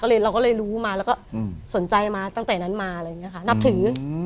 เราก็เลยรู้มาแล้วก็สนใจมาตั้งแต่นั้นมาอะไรอย่างนี้ค่ะนับถือ